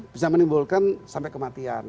bisa menimbulkan sampai kematian